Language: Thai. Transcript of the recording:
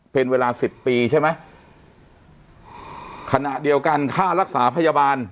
เป็นเวลาสิบปีใช่ไหมขณะเดียวกันค่ารักษาพยาบาล